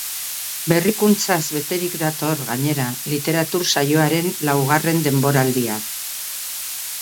Berrikuntzaz beterik dator, gainera, literatur saioaren laugarren denboraldia.